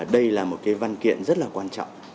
đây là một văn kiện rất quan trọng